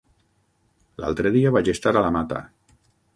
L'altre dia vaig estar a la Mata.